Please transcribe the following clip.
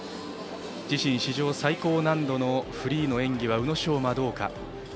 自身史上最高難度のフリーの演技は宇野昌磨、どうか。